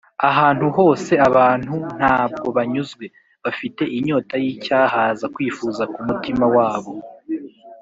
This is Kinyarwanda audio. . Ahantu hose abantu ntabwo banyuzwe. Bafite inyota y’icyahaza kwifuza k’umutima wabo